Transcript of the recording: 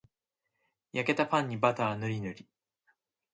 焼けたパンにバターぬりぬり